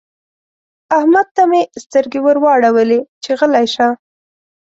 احمد ته مې سترګې ور واړولې چې غلی شه.